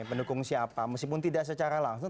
pendukung siapa meskipun tidak secara langsung